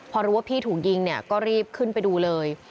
พอรู้ว่าพี่ถูกยิงเนี่ยก็รีบขึ้นไปดูเลย